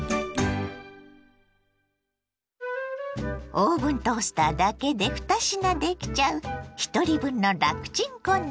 オーブントースターだけで２品できちゃうひとり分の楽チン献立。